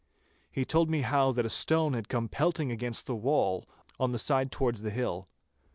He told me how that a stone had come pelting against the wall, on the side towards the hill.